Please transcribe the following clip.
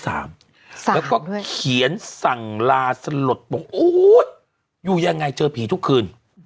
แล้วก็เขียนสั่งลาสลดบอกโอ๊ยอยู่ยังไงเจอผีทุกคืน